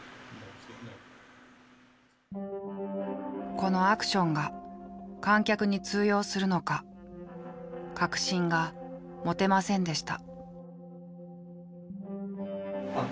このアクションが観客に通用するのか確信が持てませんでした。